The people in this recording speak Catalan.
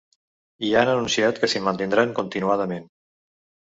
I han anunciat que s’hi mantindran continuadament.